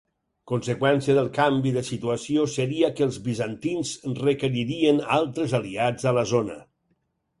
Conseqüència del canvi de situació seria que els bizantins requeririen altres aliats a la zona.